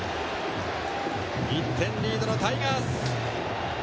１点リードのタイガース！